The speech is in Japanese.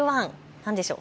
何でしょう。